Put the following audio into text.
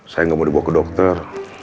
saya nggak mau dibawa ke dokter